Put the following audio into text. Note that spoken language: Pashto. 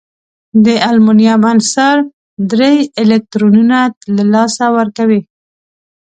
د المونیم عنصر درې الکترونونه له لاسه ورکوي.